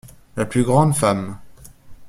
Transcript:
La plus grande femme.